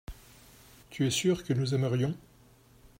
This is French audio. tu es sûr que nous aimerions.